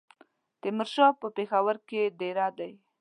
تیمورشاه په پېښور کې دېره دی.